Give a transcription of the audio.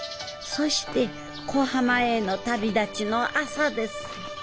そして小浜への旅立ちの朝です。